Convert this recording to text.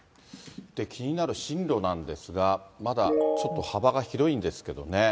気になる進路なんですが、まだちょっと幅が広いんですけどね。